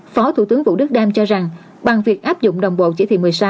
có thủ tướng vũ đức đam cho rằng bằng việc áp dụng đồng bộ chí thị một mươi sáu